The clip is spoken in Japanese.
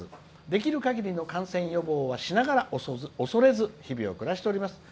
できるかぎりの感染予防はしながら恐れず日々を暮らしております。